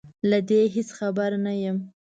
له دې هېڅ خبره نه یم